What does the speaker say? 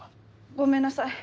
ごめんなさい。